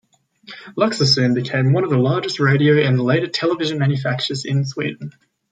Luxor soon became one of the largest radio and later television manufacturers in Sweden.